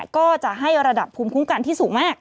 ก็จะให้ระดับภูมิคุ้มกันที่สูงมาก